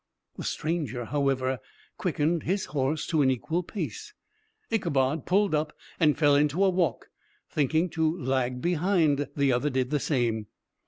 The stranger, however, quickened his horse to an equal pace. Ichabod pulled up, and fell into a walk, thinking to lag behind the other did the same.